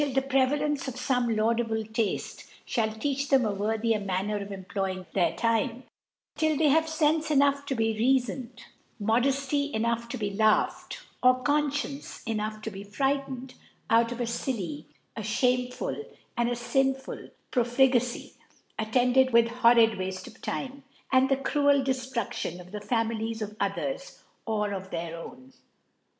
the Prevalence of fome laudable Tafte fhall teach them a worthier Manner of employing their Time ; till they have Senfe enough to be reafbned, Modefty enough to be laughed, or Confcience enough to be frightened out of a filFy, a (hameful and a fintul Profligacy, attended with hor rid Wartc of Time, and the cruel Dcftruc t'on of the Families of others, or of their own.